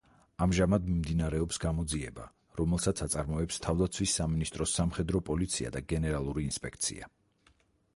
ამჟამად მიმდინარეობს გამოძიება, რომელსაც აწარმოებს თავდაცვის სამინისტროს სამხედრო პოლიცია და გენერალური ინსპექცია.